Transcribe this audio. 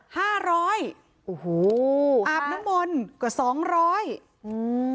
ห้าร้อยโอ้โหอาบน้ำมนต์กว่าสองร้อยอืม